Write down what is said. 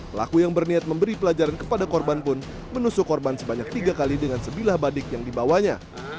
pelaku yang berniat memberi pelajaran kepada korban pun menusuk korban sebanyak tiga kali dengan sebilah badik yang dibawanya